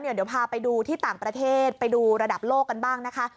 เดี๋ยวพาไปดูที่ต่างประเทศไปดูระดับโลกกันบ้างนะคะ